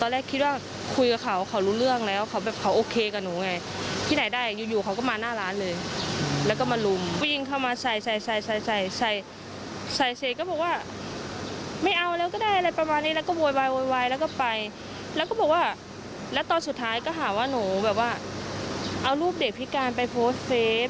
แล้วตอนสุดท้ายก็หาว่าหนูแบบว่าเอารูปเด็กพิการไปโพสเฟส